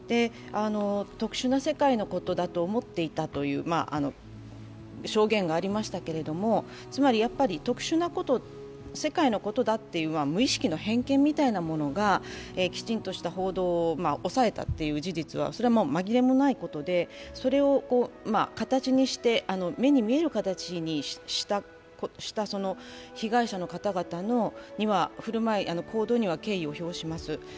特殊な世界のことだと思っていたという証言がありましたけれども、つまり、やはり特殊な世界のことだという無意識の偏見みたいなことがきちんとした報道をおさえたという事実はまぎれもないことでそれを形にして、目に見える形にした、被害者の方々の振るまい、行動には敬意を表します。